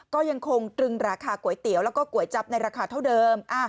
ก็ยังคงตรึงราคาก๋วยเตี๋ยวแล้วก็ก๋วยจับในราคาเท่าเดิม